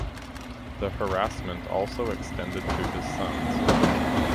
The harassment also extended to his sons.